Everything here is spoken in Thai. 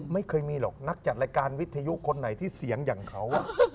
ไม่เคยมีหรอกนักจัดรายการวิทยุคนไหนที่เสียงอย่างเขา